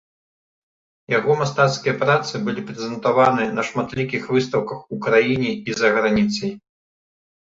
Яго мастацкія працы былі прэзентаваны на шматлікіх выстаўках у краіне і за граніцай.